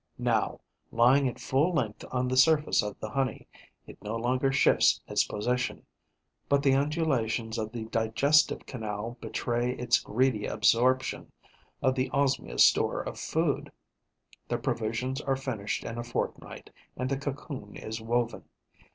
Now, lying at full length on the surface of the honey, it no longer shifts its position; but the undulations of the digestive canal betray its greedy absorption of the Osmia's store of food. The provisions are finished in a fortnight and the cocoon is woven.